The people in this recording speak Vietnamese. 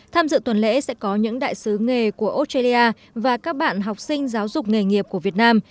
tham dự tuần lễ sẽ có những đại sứ nghề của australia và các bạn học sinh giáo dục nghề nghiệp của việt nam